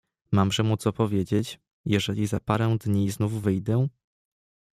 "Mamże mu co powiedzieć, jeżeli za parę dni znów wyjdę?“."